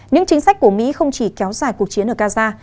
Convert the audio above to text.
những chính sách của mỹ không chỉ kéo dài cuộc chiến ở gaza